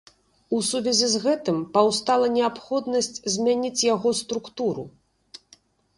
У сувязі з гэтым паўстала неабходнасць змяніць яго структуру.